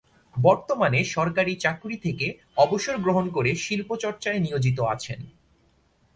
বর্তমানে সরকারি চাকরি থেকে অবসর গ্রহণ করে শিল্পচর্চায় নিয়োজিত আছেন।